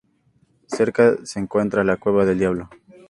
Cerca se encuentra la Cueva del Diablo.